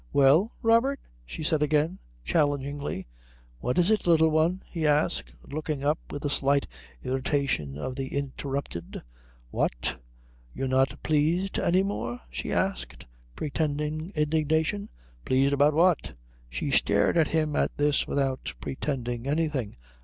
"Well, Robert?" she said again, challengingly. "What is it, Little One?" he asked, looking up with the slight irritation of the interrupted. "What? You're not pleased any more?" she asked, pretending indignation. "Pleased about what?" She stared at him at this without pretending anything.